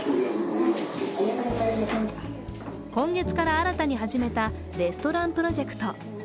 今月から新たに始めたレストランプロジェクト。